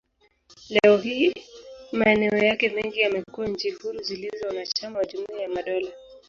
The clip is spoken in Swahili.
Leo hii, maeneo yake mengi yamekuwa nchi huru zilizo wanachama wa Jumuiya ya Madola.